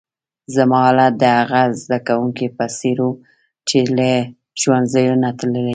زما حالت د هغه زده کونکي په څېر وو، چي له ښوونځۍ نه تللی.